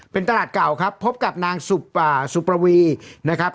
เป็นตลาดเก่าครับพบกับนางสุปวีนะครับ